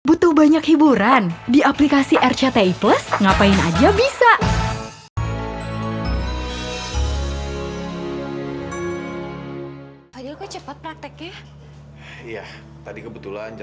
butuh banyak hiburan di aplikasi rcti plus ngapain aja bisa